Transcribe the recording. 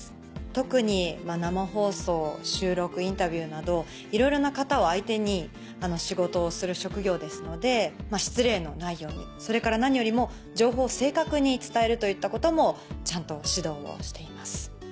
特に生放送収録インタビューなどいろいろな方を相手に仕事をする職業ですので失礼のないようにそれから何よりも「情報を正確に伝える」といったこともちゃんと指導をしています。